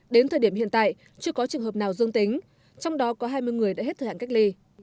đến thời điểm hiện tại chưa có trường hợp nào dương tính trong đó có hai mươi người đã hết thời hạn cách ly